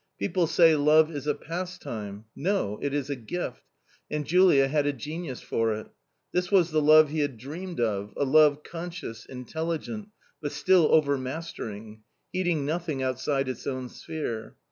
People say love is a pastime ; no, it is a gift ; and Julia had a genius for it. This was the love he had dreamed of — a love conscious, intelligent, but still overmastering, heeding nothing outside its own sphere.